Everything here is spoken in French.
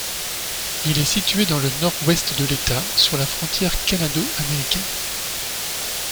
Il est situé dans le nord-ouest de l'État, sur la frontière canado-américaine.